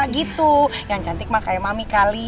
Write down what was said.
gitu yang cantik mah kayak mami kali